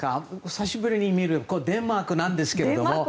久しぶりに見るデンマークなんですけども。